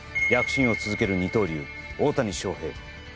躍進を続ける二刀流大谷翔平